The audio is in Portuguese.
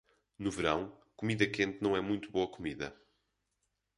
No verão, comida quente não é muito boa comida.